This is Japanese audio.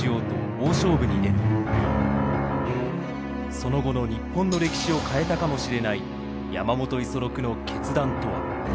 その後の日本の歴史を変えたかもしれない山本五十六の決断とは。